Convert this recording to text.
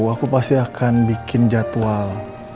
aku pasti akan bikin jadwal